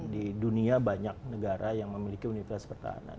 di dunia banyak negara yang memiliki universitas pertahanan